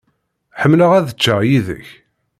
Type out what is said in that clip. Ḥemmleɣ ad cceɣ yid-k.